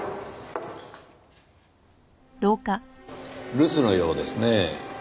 留守のようですねぇ。